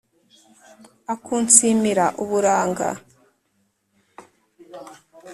akunsimira uburanga,